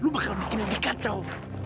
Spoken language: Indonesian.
lu bakal bikin lebih kacau